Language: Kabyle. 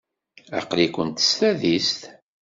Aql-ikent s tadist?